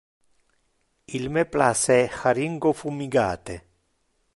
Il me place haringo fumigate.